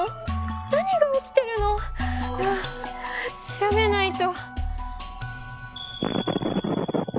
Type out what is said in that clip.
調べないと。